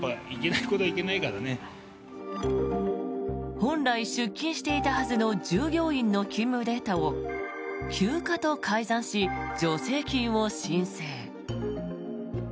本来出勤していたはずの従業員の勤務データを休暇と改ざんし、助成金を申請。